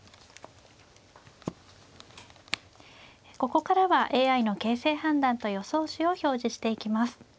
ここからはＡＩの形勢判断と予想手を表示していきます。